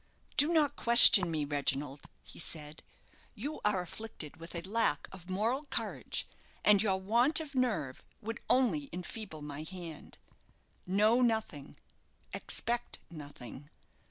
"Do not question me, Reginald," he said. "You are afflicted with a lack of moral courage, and your want of nerve would only enfeeble my hand. Know nothing expect nothing.